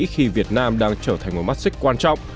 khi việt nam đang trở thành một mắt xích quan trọng